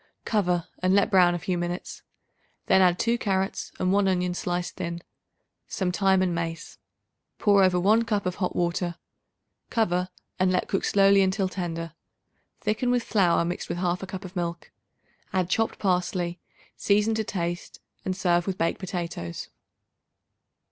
Cover and let brown a few minutes; then add 2 carrots and 1 onion sliced thin, some thyme and mace; pour over 1 cup of hot water. Cover and let cook slowly until tender. Thicken with flour mixed with 1/2 cup of milk. Add chopped parsley; season to taste and serve with baked potatoes.